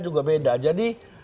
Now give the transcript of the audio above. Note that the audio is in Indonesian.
juga beda jadi